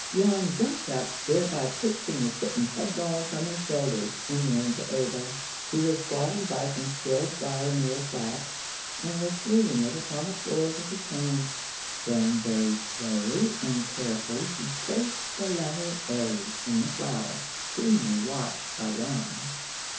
Jan jumped up, thereby pitching the kitten headlong from his shoulders, and ran to Abel, who was squatting by some spilled flour near a sack, and was smoothing it upon the floor with his hands. Then very slowly and carefully he traced the letter A in the flour, keenly watched by Jan.